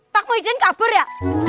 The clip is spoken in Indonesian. pak muhyiddin kabur ya